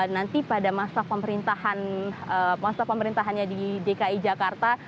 nanti pada masa pemerintahannya di dki jakarta